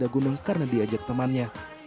dia berguna karena diajak temannya